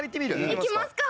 いきますか。